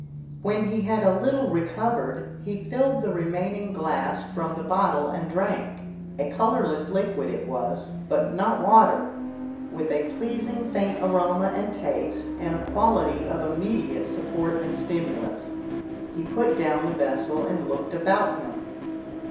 When he had a little recovered he filled the remaining glass from the bottle and drank a colourless liquid it was, but not water, with a pleasing faint aroma and taste and a quality of immediate support and stimulus. He put down the vessel and looked about him.